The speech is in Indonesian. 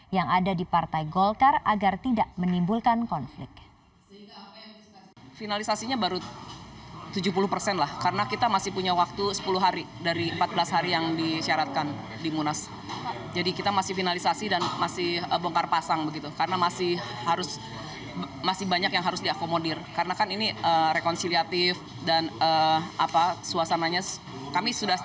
yang ada di partai golkar agar tidak menimbulkan konflik